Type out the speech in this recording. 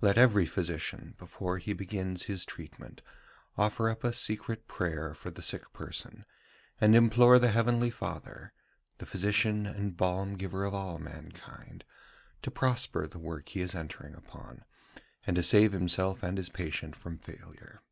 "Let every physician, before he begins his treatment, offer up a secret prayer for the sick person, and implore the heavenly Father, the Physician and Balm giver of all mankind, to prosper the work he is entering upon, and to save himself and his patient from failure."